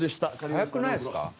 早くないっすか？